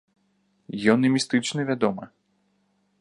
Ён і містычны, вядома.